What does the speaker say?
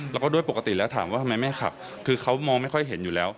แล้วก็ด้วยปกติแล้วถามว่าทำไมไม่ให้ขับคือเขามองไม่ค่อยเห็นอยู่แล้ว